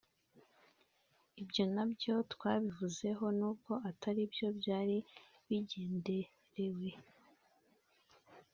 ibyo nabyo twabivuzeho nubwo atari byo byari bigenderewe